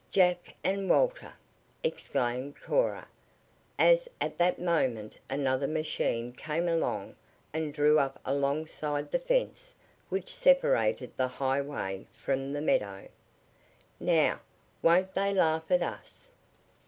"Jack and Walter!" exclaimed Cora, as at that moment another machine came along and drew up alongside the fence which separated the highway from the meadow. "Now, won't they laugh at us!"